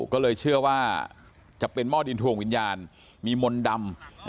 ก็เลยเชื่อว่าจะเป็นหม้อดินทวงวิญญาณมีมนต์ดำ